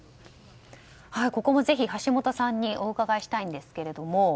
ここもぜひ、橋下さんにお伺いしたいんですけれども。